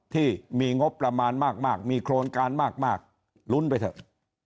ที่มีงบประมาณมากมีโครงการมากลุ้นไปเถอะ